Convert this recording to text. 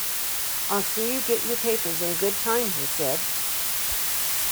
“I'll see you get your papers in good time,” he said.